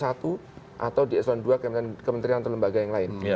atau di eselon dua kementerian atau lembaga yang lain